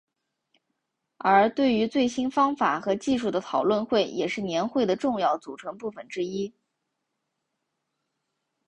而对于最新方法和技术的讨论会也是年会的重要组成部分之一。